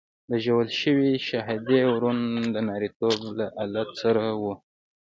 د وژل شوي شهادي ورون د نارینتوب له آلت سره وو.